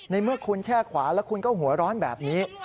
ในเมื่อคุณแช่ขวาแล้วคุณก็หัวร้อนแบบนี้